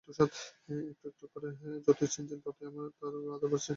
একটু একটু করে যতই চিনছেন ততই তোমার আদর বাড়ছে।